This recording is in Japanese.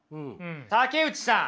竹内さん！